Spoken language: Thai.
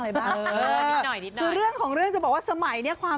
ไอดอลยุค๙๐ของพวกเรา